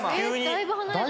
だいぶ離れた。